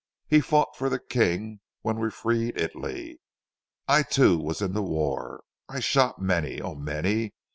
He fought for the King when we freed Italy. I too, was in the war. I shot many oh many.